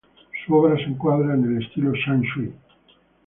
Su obra se encuadra en el estilo Shan shui.